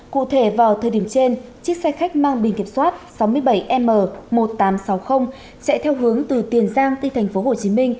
cụ thể vào thời điểm trên chiếc xe khách mang bình kiểm soát sáu mươi bảy m một nghìn tám trăm sáu mươi chạy theo hướng từ tiền giang đi tp hcm